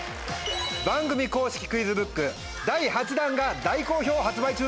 番組公式クイズブック第８弾が大好評発売中です！